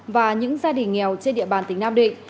và những gia đình nghèo trên địa bàn tỉnh nam định